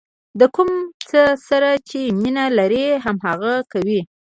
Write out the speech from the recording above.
د کوم څه سره چې مینه لرئ هماغه کوئ.